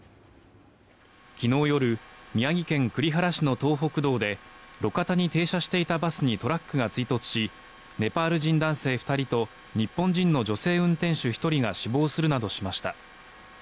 昨日夜宮城県栗原市の東北道で路肩に停車していたバスにトラックが追突しネパール人男性２人と日本人の女性運転手１人が死亡するなどしました。